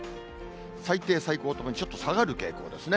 最低最高ともにちょっと下がる傾向ですね。